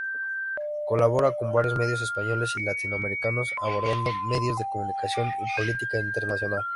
Colabora con varios medios españoles y latinoamericanos abordando medios de comunicación y política internacional.